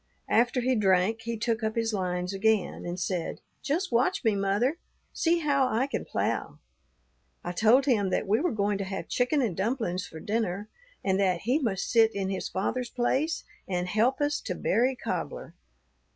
After he drank, he took up his lines again, and said, 'Just watch me, mother; see how I can plough.' I told him that we were going to have chicken and dumplings for dinner, and that he must sit in his father's place and help us to berry cobbler.